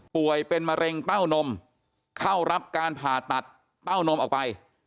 ป่วยเป็นมะเร็งเต้านมเข้ารับการผ่าตัดเต้านมออกไป